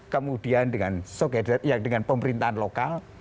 kemudian dengan pemerintahan lokal